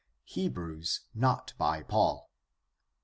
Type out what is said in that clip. Hebrews not by Paul.